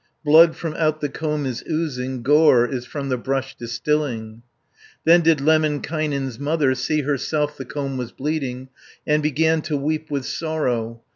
Blood from out the comb is oozing, Gore is from the brush distilling." Then did Lemminkainen's mother See herself the comb was bleeding, And began to weep with sorrow.